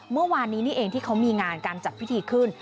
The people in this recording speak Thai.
เมื่อวานนี้นี่เองที่เขามีงานการจัดพิธีขึ้น